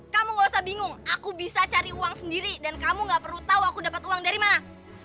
kamu gak usah bingung aku bisa cari uang sendiri dan kamu gak perlu tahu aku dapat uang dari mana